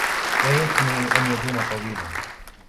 لا يمكن أن يدوم طويلا.